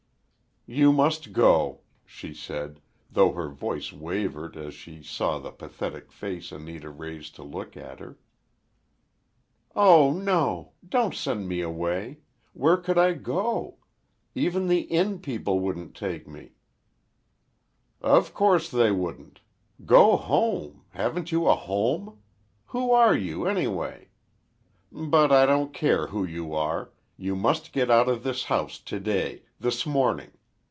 "You must go," she said, though her voice wavered as she saw the pathetic face Anita raised to look at her. "Oh, no! Don't send me away! Where could I go? Even the Inn people wouldn't take me!" "Of course they wouldn't! Go home! Haven't you a home? Who are you, anyway? But I don't care who you are—you must get out of this house today—this morning.